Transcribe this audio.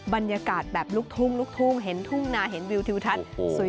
บรรยากาศแบบลุกทุ่งเห็นทุ่งนาเห็นวิวทิวทัศน์